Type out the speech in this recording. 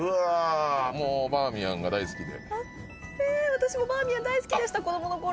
私もバーミヤン大好きでした、子供の頃。